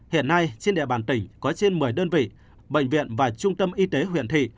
hiện nay trên địa bàn tỉnh có trên một mươi đơn vị bệnh viện và trung tâm y tế huyện thị